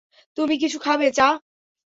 তুমি কিছু খাবে, চা?